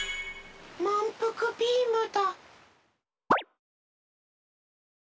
まんぷくビームだ。